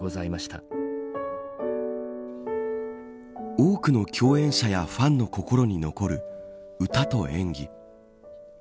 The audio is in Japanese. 多くの共演者やファンの心に残る歌と演技。